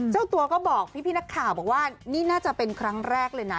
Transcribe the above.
เจ้าตัวก็บอกพี่นักข่าวบอกว่านี่น่าจะเป็นครั้งแรกเลยนะ